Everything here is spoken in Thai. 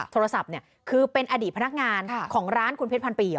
โทรศัพท์เนี่ยคือเป็นอดีตพนักงานของร้านคุณเพชรพันปี